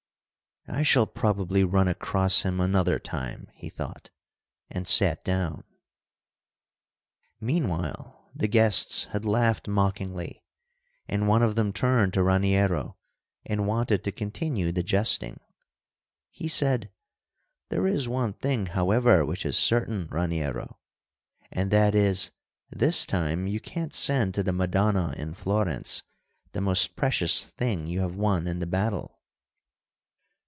"I shall probably run across him another time," he thought, and sat down. Meanwhile the guests had laughed mockingly, and one of them turned to Raniero and wanted to continue the jesting. He said: "There is one thing, however, which is certain, Raniero, and that is—this time you can't send to the Madonna in Florence the most precious thing you have won in the battle."